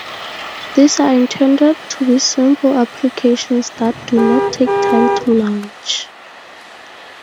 These are intended to be simple applications that do not take time to launch.